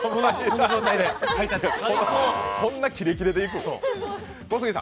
そんなキレキレでいくの？